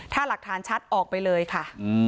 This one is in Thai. ถ้าหลักฐานชัดออกไปเลยค่ะ